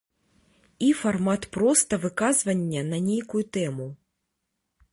І фармат проста выказвання на нейкую тэму.